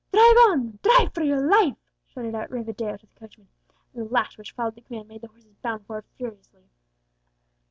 "Drive on drive for your life!" shouted out Rivadeo to the coachman, and the lash which followed the command made the horses bound forward furiously.